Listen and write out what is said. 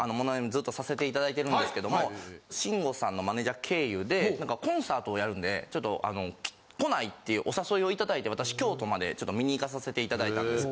ずっとさせて頂いてるんですけども慎吾さんのマネージャー経由でなんかコンサートをやるんでちょっと来ない？っていうお誘いを頂いて私京都までちょっと観に行かさせて頂いたんです。